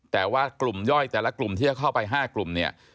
แต่ว่ากลุ่มย่อยแต่ละกลุ่มที่จะเข้าไป๕กลุ่มเนี่ย